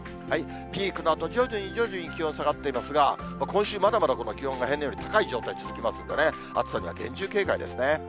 ピークのあと、徐々に徐々に気温下がってますが、今週、まだまだこの気温が平年より高い状態、続きますんでね、暑さには厳重警戒ですね。